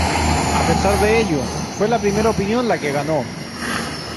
A pesar de ello, fue la primera opinión la que ganó.